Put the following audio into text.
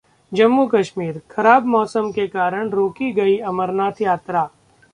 जम्मू-कश्मीर: खराब मौसम के कारण रोकी गई अमरनाथ यात्रा